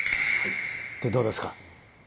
ってどうですか？